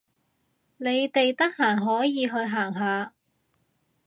你哋得閒可以去行下